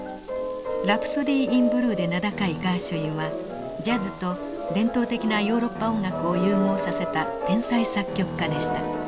「ラプソディ・イン・ブルー」で名高いガーシュインはジャズと伝統的なヨーロッパ音楽を融合させた天才作曲家でした。